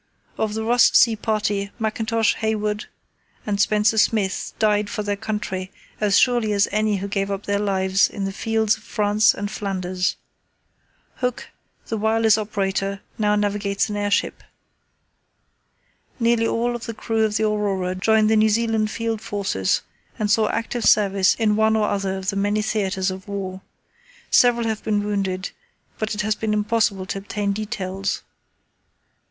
Of the Ross Sea Party, Mackintosh, Hayward, and Spencer Smith died for their country as surely as any who gave up their lives on the fields of France and Flanders. Hooke, the wireless operator, now navigates an airship. Nearly all of the crew of the Aurora joined the New Zealand Field Forces and saw active service in one or other of the many theatres of war. Several have been wounded, but it has been impossible to obtain details.